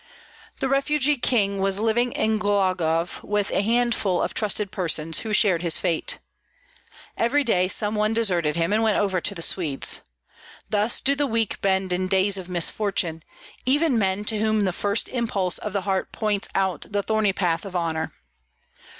The refugee king was living in Glogov with a handful of trusted persons, who shared his fate. Each day some one deserted him, and went over to the Swedes. Thus do the weak bend in days of misfortune, even men to whom the first impulse of the heart points out the thorny path of honor.